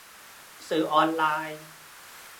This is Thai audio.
สื่อออนไลน์